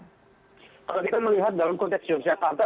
kalau kita melihat dalam konteks yogyakarta